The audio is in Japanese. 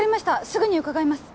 すぐに伺います